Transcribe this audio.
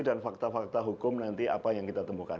fakta fakta hukum nanti apa yang kita temukan